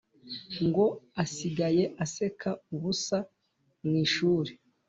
ngo asigaye aseka ubusa mu ishuri